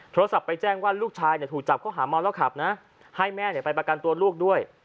โทรศัพท์ไปแจ้งว่าลูกชายถูกจับเขาหาเมาแล้วขับนะให้แม่ไปประกันตัวลูกด้วย